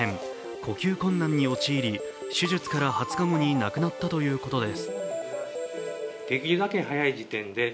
呼吸困難に陥り、手術から２０日後に亡くなったということです。